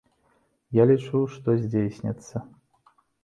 Я лічу, што здзейсняцца.